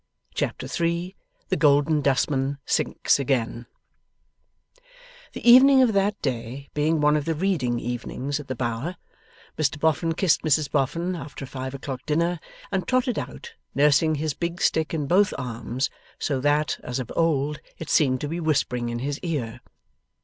Chapter 3 THE GOLDEN DUSTMAN SINKS AGAIN The evening of that day being one of the reading evenings at the Bower, Mr Boffin kissed Mrs Boffin after a five o'clock dinner, and trotted out, nursing his big stick in both arms, so that, as of old, it seemed to be whispering in his ear.